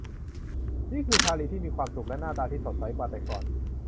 นี่คือชาร์ลีย์ที่มีความสุข และหน้าตาที่สดใสกว่าแต่ก่อน